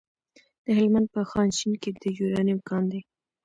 د هلمند په خانشین کې د یورانیم کان دی.